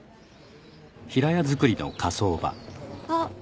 あっ。